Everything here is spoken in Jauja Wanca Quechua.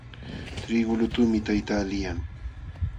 Trigu lutuqmi tayta liyan.